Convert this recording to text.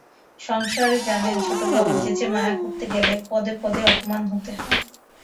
সংসারে জানেন, ছোটবাবু, যেচে মায়া করতে গেলে পদে পদে অপমান হতে হয়।